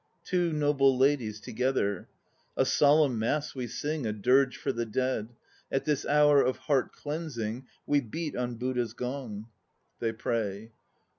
TWO NOBLE LADIES (together). A solemn Mass we sing A dirge for the Dead; At this hour of heart cleansing We beat on Buddha's gong. (They pray.)